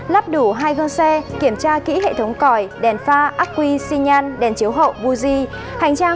lắp đủ hai gương xe kiểm tra kỹ hệ thống còi đèn pha acquis xin nhăn đèn chiếu hậu buzzi hành trang